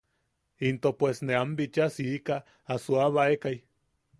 Into pues ne am bichaa siika a suuabaekai.